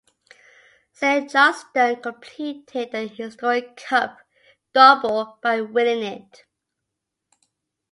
St Johnstone completed the historic cup double by winning it.